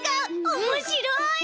おもしろい！